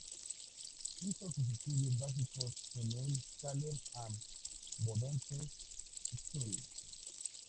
Hizo sus estudios básicos en el Salem am Bodensee Schule.